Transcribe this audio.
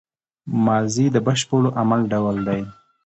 ماضي د بشپړ عمل ډول دئ.